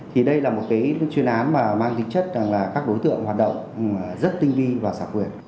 thì đây là một cái chuyên án mà mang tính chất là các đối tượng hoạt động rất tinh vi và sạc quyền